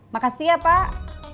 makasih ya pak